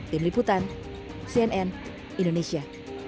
tim liputan cnn indonesia